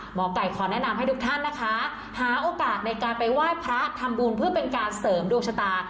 หมอไก่ขอแนะนำให้ทุกท่านนะคะหาโอกาสในการไปไหว้พระทำบุญเพื่อเป็นการเสริมดวงชะตา